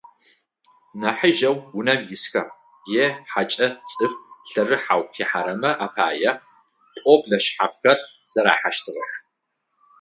Нахьыжъэу унэм исхэм, е хьакӏэ, цӏыф лъэрыхьэу къихьэрэмэ апае пӏоблэ шъхьафхэр зэрахьэщтыгъэх.